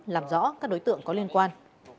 làm rõ các đối tượng có liên quan